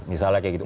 misalnya kayak gitu